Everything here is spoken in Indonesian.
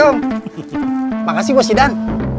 makasih bos sidan